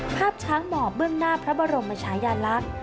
ภาพช้างหมอบเบื้องหน้าพระบรมชายาลักษณ์